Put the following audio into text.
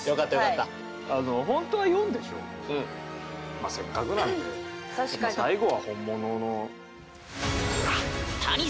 まあせっかくなんでやっぱ最後は本物の。